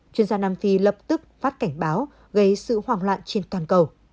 chuyên gia nam phi lập tức phát cảnh báo gây sự hoảng loạn trên toàn cầu